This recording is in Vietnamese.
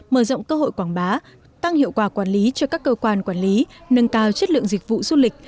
mở rộng cơ hội quảng bá tăng hiệu quả quản lý cho các cơ quan quản lý nâng cao chất lượng dịch vụ du lịch